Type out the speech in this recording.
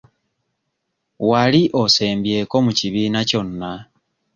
Wali osembyeko mu kibiina kyonna?